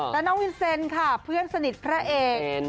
แล้วน้องวินเซนค่ะเพื่อนสนิทพระเอก